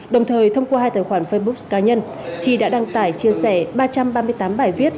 đồng thời thông qua hai tài khoản facebook cá nhân chi đã đăng tải chia sẻ ba trăm ba mươi tám bài viết